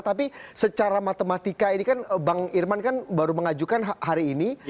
tapi secara matematika ini kan bang irman kan baru mengajukan hari ini